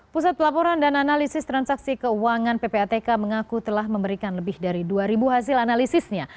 pusat pelaporan dan analisis transaksi keuangan ppatk mengaku telah memberikan lebih dari dua ribu hasil analisisnya